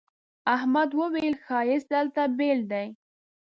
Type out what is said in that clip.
احمد وويل: ښایست دلته بېل دی.